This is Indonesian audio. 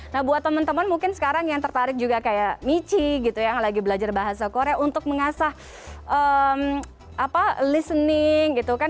nah buat teman teman mungkin sekarang yang tertarik juga kayak michi gitu yang lagi belajar bahasa korea untuk mengasah listening gitu kan